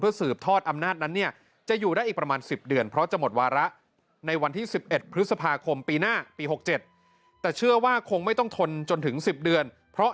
เพื่อสืบทอดอำนาจนั้นเนี่ย